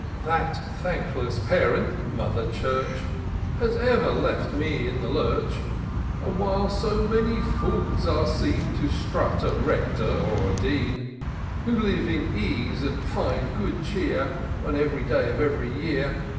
" That thankless parent, Mother Church, • Has ever left me in the lurch ; And, while so many fools are seen To strut a Rector or a Dean, Who live in ease, and find good cheer On ev'ry day of ev'ry year.